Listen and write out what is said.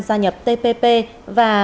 gia nhập tpp và